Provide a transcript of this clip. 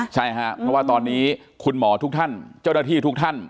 ใช่ครับเพราะว่าตอนนี้คุณหมอทุกท่านเจ้าหน้าที่ทุกท่าน